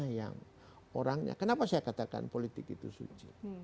karena orangnya yang kenapa saya katakan politik itu suci